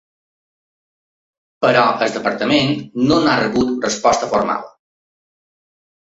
Però el departament no n’ha rebut resposta formal.